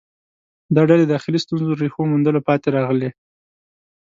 دا ډلې داخلي ستونزو ریښو موندلو پاتې راغلې